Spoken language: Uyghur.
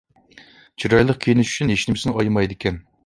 چىرايلىق كىيىنىش ئۈچۈن ھېچنېمىسىنى ئايىمايدىكەن.